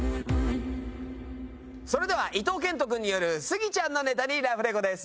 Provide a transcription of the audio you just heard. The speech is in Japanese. それでは伊東健人君によるスギちゃんのネタにラフレコです。